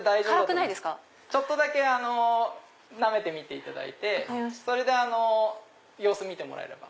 ちょっとだけなめていただいてそれで様子見てもらえれば。